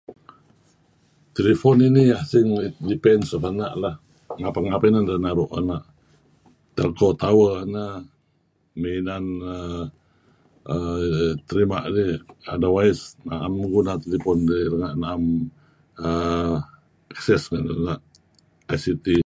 Telephone inih iah depend semanga' lah ngapeh-ngapeh inan deh naru' telco tower neh may inan uhm terima' otherwise naem guna telephone narih ranga' uhm naem access narih renga' ect.